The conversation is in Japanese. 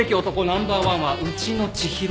ナンバーワンはうちの知博では？